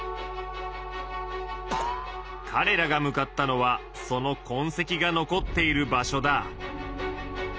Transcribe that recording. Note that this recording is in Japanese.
かれらが向かったのはそのこんせきが残っている場所だ。